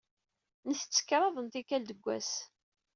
Ntett kraḍ n tikkal deg wass.